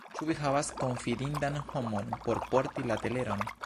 Ĉu vi havas konfidindan homon por porti la leteron?